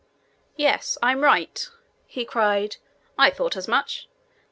'Yes, I'm right,' he cried; 'I thought as much!